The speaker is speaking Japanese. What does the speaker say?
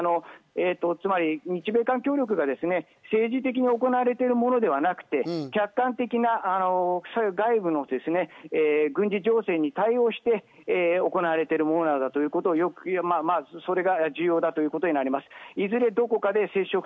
日米韓、これ３国はどのようですのでここは、つまり日米韓協力が政治的に行われているものではなくて、客観的な外部の軍事情勢に対応して行われているものなのだということが重要ということになります。